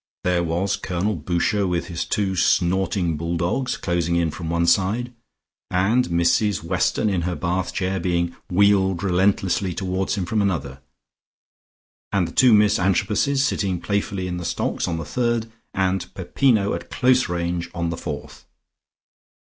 There was Colonel Boucher with his two snorting bull dogs closing in from one side, and Mrs Weston in her bath chair being wheeled relentlessly towards him from another, and the two Miss Antrobuses sitting playfully in the stocks, on the third, and Peppino at close range on the fourth.